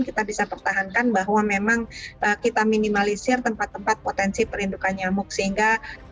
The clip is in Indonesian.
kita bisa pertahankan bahwa memang kita minimalisir tempat tempat potensi perindukan nyamuk sehingga